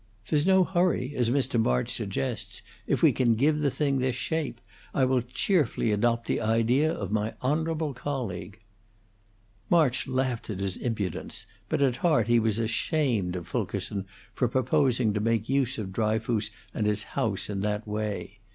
There's no hurry, as Mr. March suggests, if we can give the thing this shape. I will cheerfully adopt the idea of my honorable colleague." March laughed at his impudence, but at heart he was ashamed of Fulkerson for proposing to make use of Dryfoos and his house in that way.